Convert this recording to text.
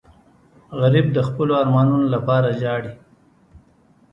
غریب د خپلو ارمانونو لپاره ژاړي